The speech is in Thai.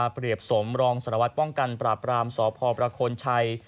เปรียบสมรองสารวัตรป้องกันปราบรามสพประโคนชัย